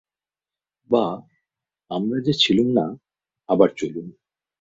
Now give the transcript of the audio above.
বা, আমরা যে ছিলুম না, আবার চলুন।